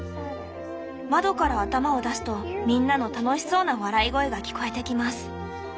窓から頭を出すとみんなの楽しそうな笑い声が聞こえてきます」。